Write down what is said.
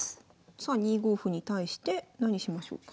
さあ２五歩に対して何しましょうか。